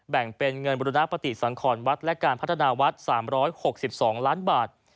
แบ่งเป็นเงินบุรณปฏิสังขรวัดและการพัฒนาวัด๓๖๒ล้านบาท